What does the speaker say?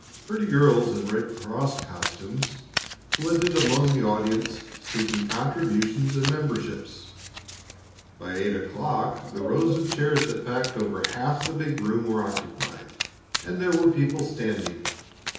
Pretty girls in Red Cross costumes flitted among the audience seeking contributions and memberships. By eight o'clock the rows of chairs that packed over half the big room were occupied, and there were people standing.